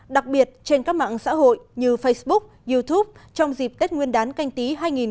đặc biệt trên các mạng xã hội như facebook youtube trong dịp tết nguyên đán canh tí hai nghìn hai mươi